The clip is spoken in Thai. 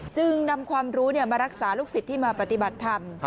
จึงนำความรู้มารักษาลูกศิษย์ที่มาปฏิบัติธรรม